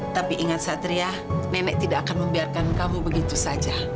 tapi ingat satria nenek tidak akan membiarkan kamu begitu saja